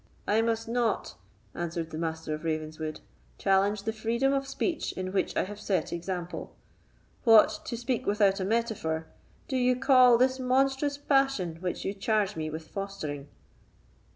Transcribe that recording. "I must not," answered the Master of Ravenswood, "challenge the freedom of speech in which I have set example. What, to speak without a metaphor, do you call this monstrous passion which you charge me with fostering?"